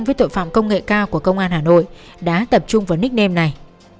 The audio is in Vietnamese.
đối với tội phạm công nghệ cao của công an hà nội đã tập trung vào nickname này